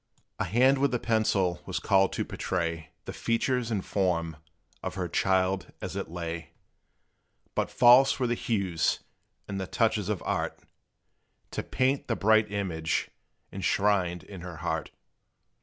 A hand with the pencil was called to portray The features and form of her child as it lay; But false were the hues and the touches of art To paint the bright image enshrined in her heart.